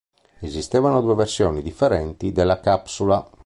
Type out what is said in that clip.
Esistevano due versioni differenti della capsula.